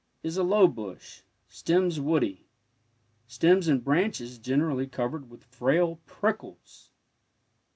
Is a low bush— stems woody— stems and branches generally covered with frail prickles.